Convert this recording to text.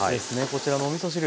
こちらのおみそ汁。